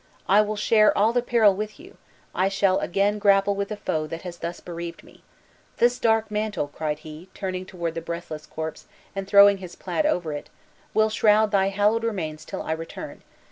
"I will share all the peril with you! I shall again grapple with the foe that has thus bereaved me! This dark mantle," cried he, turning toward the breathless corpse, and throwing his plaid over it, "will shroud thy hallowed remains till I return.